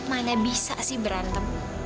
mana bisa sih berantem